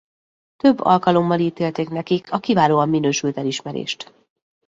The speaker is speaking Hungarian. Több alkalommal ítélték nekik a Kiválóan Minősült elismerést.